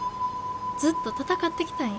ずっと戦ってきたんよ。